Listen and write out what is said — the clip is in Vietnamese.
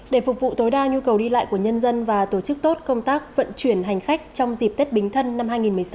để phục vụ tối đa nhu cầu đi lại của nhân dân và tổ chức tốt công tác vận chuyển hành khách trong dịp tết bính thân năm hai nghìn một mươi sáu